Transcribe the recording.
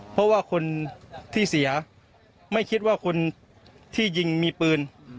เพราะว่าคนที่เสียไม่คิดว่าคนที่ยิงมีปืน